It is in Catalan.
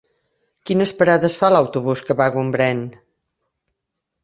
Quines parades fa l'autobús que va a Gombrèn?